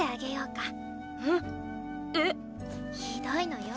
ひどいのよ